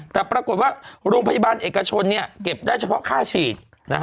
แต่ปรากฏว่าโรงพยาบาลเอกชนเก็บได้เฉพาะค่าฉีด